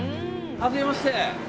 はじめまして。